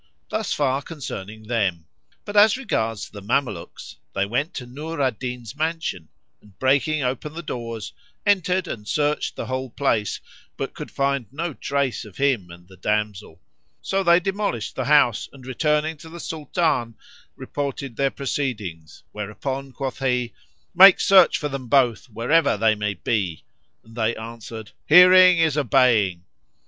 Thus far concerning them; but as regards the Mamelukes, they went to Nur al Din's mansion and, breaking open the doors, entered and searched the whole place, but could find no trace of him and the damsel; so they demolished the house and, returning to the Sultan, reported their proceedings; whereupon quoth he, "Make search for them both, wherever they may be;" and they answered, "Hearing is obeying."